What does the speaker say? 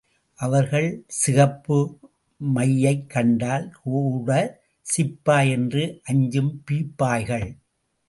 அவர்கள் சிகப்பு மையைக் கண்டால் கூட சிப்பாய் என்று அஞ்சும் பீப்பாய்கள்.